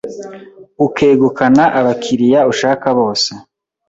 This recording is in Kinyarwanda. ukegukana abakiriya ushaka bose